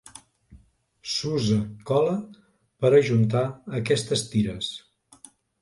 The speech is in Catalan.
S'usa cola per a ajuntar aquestes tires.